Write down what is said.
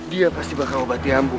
dia pasti bakal obati ambu